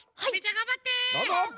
がんばって！